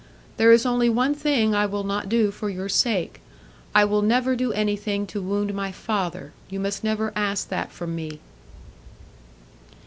There is only one thing I will not do for your sake; I will never do anything to wound my father. You must never ask that from me."